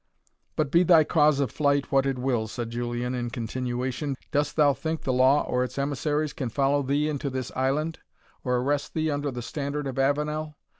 "But be thy cause of flight what it will," said Julian, in continuation, "dost thou think the law or its emissaries can follow thee into this island, or arrest thee under the standard of Avenel?